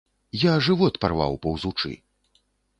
Я жывот парваў паўзучы.